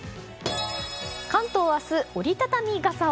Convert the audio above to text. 関東は明日、折り畳み傘を。